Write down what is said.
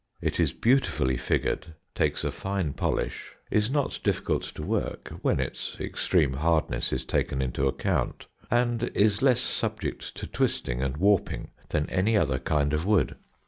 It is beautifully figured, takes a fine polish, is not difficult to work, when its extreme hardness is taken into account, and is less subject to twisting and warping than any other kind of wood.